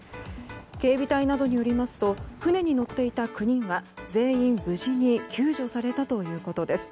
警備隊などによりますと船に乗っていた９人は全員、無事に救助されたということです。